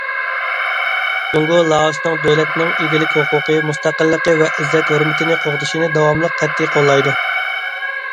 جۇڭگو لائوسنىڭ دۆلەتنىڭ ئىگىلىك ھوقۇقى، مۇستەقىللىقى ۋە ئىززەت- ھۆرمىتىنى قوغدىشىنى داۋاملىق قەتئىي قوللايدۇ.